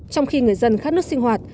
trong khi người dân khát nước sinh hoạt